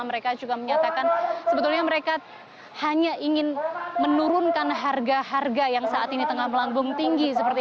mereka juga menyatakan sebetulnya mereka hanya ingin menurunkan harga harga yang saat ini tengah melambung tinggi